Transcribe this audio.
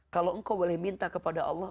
kalau engkau boleh minta kepada allah